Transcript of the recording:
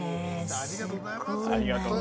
ありがとうございます。